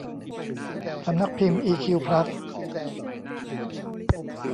สำนักพิมพ์อีคิวพลัส